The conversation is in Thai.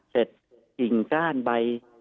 เสร็จกิ่งก้านใบ